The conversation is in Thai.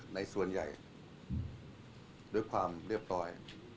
ในส่วนใหญ่ด้วยความเรียบร้อย